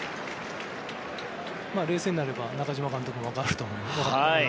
冷静になれば中嶋監督もわかると思います。